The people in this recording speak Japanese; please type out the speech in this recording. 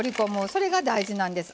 それが大事なんです。